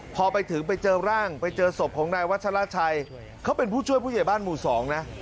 พอไปถึงไปเจอร่างไปเจอศพของนายวัชราชัยเขาเป็นผู้ช่วยผู้ใหญ่บ้านหมู่๒นะ